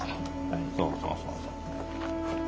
そうそうそうそう。